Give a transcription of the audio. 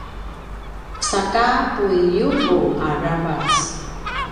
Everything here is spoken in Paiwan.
saka puiyubung aravac